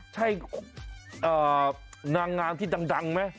ใช่นางงามที่ดังไหม